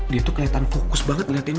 dia tuh keliatan fokus banget ngeliatin lo